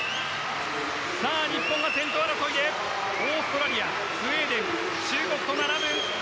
日本が先頭争いでオーストラリア、スウェーデン中国と並ぶ。